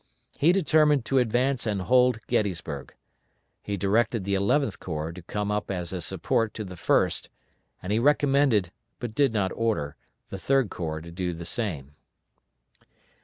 He determined to advance and hold Gettysburg. He directed the Eleventh Corps to come up as a support to the First, and he recommended, but did not order, the Third Corps to do the same.